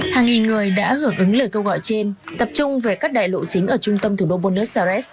hàng nghìn người đã hưởng ứng lời câu gọi trên tập trung về các đại lộ chính ở trung tâm thủ đô buenos aires